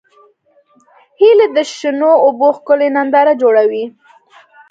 هیلۍ د شنو اوبو ښکلې ننداره جوړوي